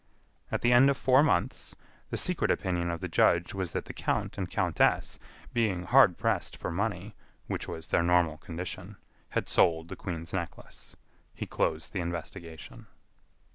At the end of four months, the secret opinion of the judge was that the count and countess, being hard pressed for money, which was their normal condition, had sold the Queen's Necklace. He closed the investigation.